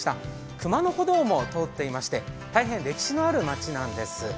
熊野古道も通っていまして、大変歴史のある町なんです。